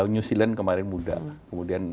new zealand kemarin muda kemudian